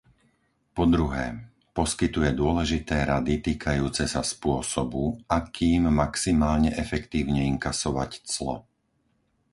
Po druhé, poskytuje dôležité rady týkajúce sa spôsobu, akým maximálne efektívne inkasovať clo.